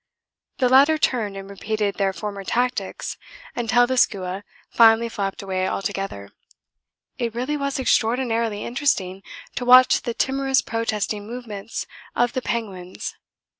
The latter turned and repeated their former tactics until the skua finally flapped away altogether. It really was extraordinarily interesting to watch the timorous protesting movements of the penguins.